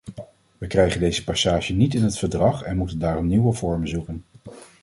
We krijgen deze passage niet in het verdrag en moeten daarom nieuwe vormen zoeken.